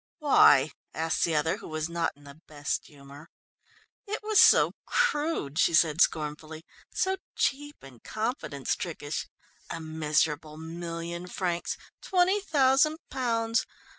"Why?" asked the other, who was not in the best humour. "It was so crude," she said scornfully, "so cheap and confidence trickish. A miserable million francs twenty thousand pounds.